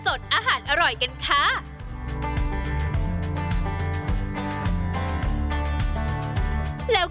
ก็จะเชิญชวนน้ำชมทางบ้านที่